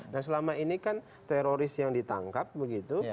nah selama ini kan teroris yang ditangkap begitu